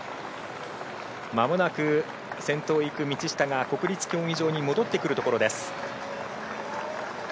まもなく先頭を行く道下が国立競技場に戻ってくるところです。